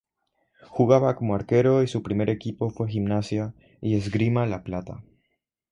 Jugaba como arquero y su primer equipo fue Gimnasia y Esgrima La Plata.